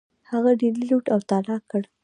هغه ډیلي لوټ او تالا کړ.